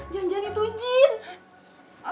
jangan jangan itu jini